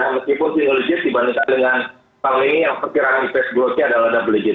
meskipun tinggal legit dibandingkan dengan tahun ini yang perkiraan eps growth nya adalah double legit